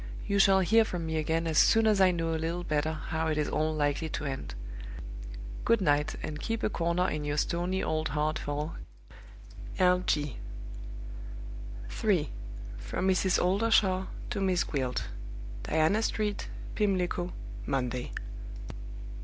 You shall hear from me again as soon as I know a little better how it is all likely to end. Good night, and keep a corner in your stony old heart for "L. G." 3. From Mrs. Oldershaw to Miss Gwilt. "Diana Street, Pimlico, Monday.